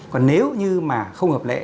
còn nếu như mà không hợp lệ